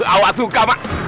awas suka mah